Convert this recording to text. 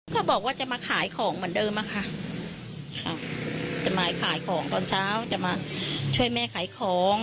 ก็บอกว่าจะมาขายของเหมือนเดิมอะค่ะจะมาขายของตอนเช้าจะมาช่วยแม่ขายของ